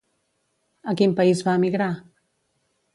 A quin país va emigrar?